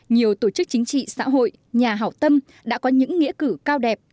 nhiều tổ chức chính trị xã hội nhà hảo tâm đã có những nghĩa cử cao đẹp